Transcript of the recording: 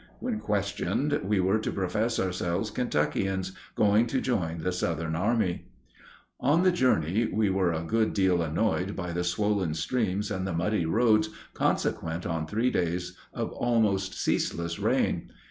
When questioned, we were to profess ourselves Kentuckians going to join the Southern army. On the journey we were a good deal annoyed by the swollen streams and the muddy roads consequent on three days of almost ceaseless rain.